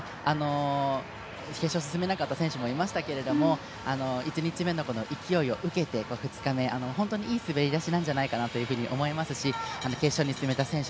決勝進めなかった選手もいましたけれども１位置目の勢いを受けて２日目本当にいい滑り出しなんじゃないかなと思いますし決勝に進めた選手